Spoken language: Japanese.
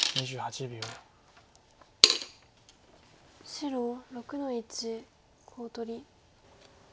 白６の一コウ取り。